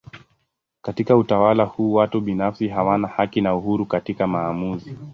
Katika utawala huu watu binafsi hawana haki na uhuru katika maamuzi.